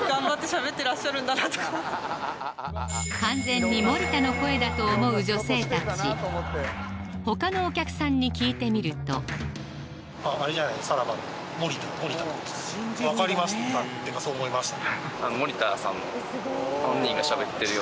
完全に森田の声だと思う女性たち他のお客さんに聞いてみるとっていうかそう思いました